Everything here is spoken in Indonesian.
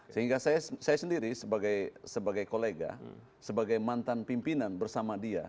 sehingga saya sendiri sebagai kolega sebagai mantan pimpinan bersama dia